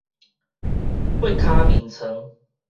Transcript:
八跤眠床